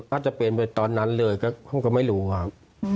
อาจจะเป็นไปตอนนั้นเลยก็ผมก็ไม่รู้ครับ